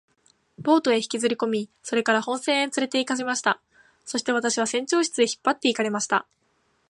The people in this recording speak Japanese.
ボートへ引きずりこみ、それから本船へつれて行かれました。そして私は船長室へ引っ張って行かれました。